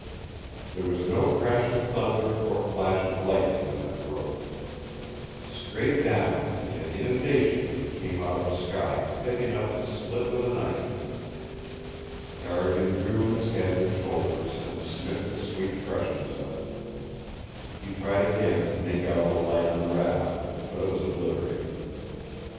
There was no crash of thunder or flash of lightning when it broke. Straight down, in an inundation, it came out of a sky thick enough to slit with a knife. Carrigan drew in his head and shoulders and sniffed the sweet freshness of it. He tried again to make out the light on the raft, but it was obliterated.